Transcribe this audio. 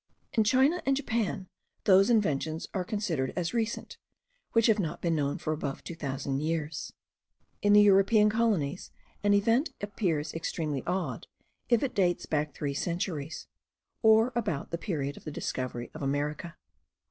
In China and Japan those inventions are considered as recent, which have not been known above two thousand years; in the European colonies an event appears extremely old, if it dates back three centuries, or about the period of the discovery of America.